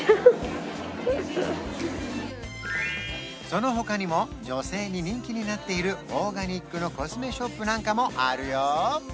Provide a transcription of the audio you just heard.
その他にも女性に人気になっているオーガニックのコスメショップなんかもあるよ